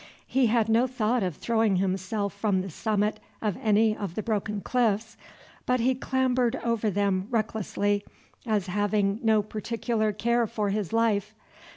He had no thought of throwing himself from the summit of any of the broken cliffs, but he clambered over them recklessly, as having no particular care for his life.